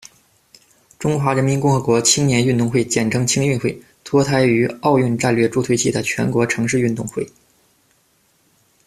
中华人民共和国青年运动会简称青运会，脱胎于“奥运战略”助推器的全国城市运动会。